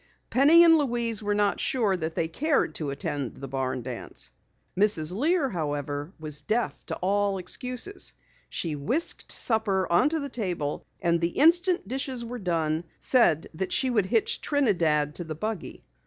Penny and Louise were not sure that they cared to attend the barn dance. Mrs. Lear, however, was deaf to all excuses. She whisked supper onto the table and the instant dishes were done, said that she would hitch Trinidad to the buggy.